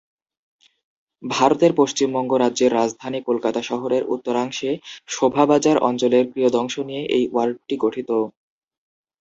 ভারতের পশ্চিমবঙ্গ রাজ্যের রাজধানী কলকাতা শহরের উত্তরাংশে শোভাবাজার অঞ্চলের কিয়দংশ নিয়ে এই ওয়ার্ডটি গঠিত।